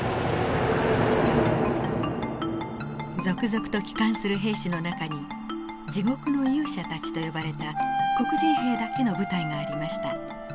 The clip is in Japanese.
続々と帰還する兵士の中に「地獄の勇者たち」と呼ばれた黒人兵だけの部隊がありました。